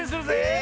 え！